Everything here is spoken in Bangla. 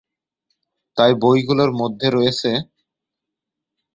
তাঁর বইগুলির মধ্যে রয়েছেঃ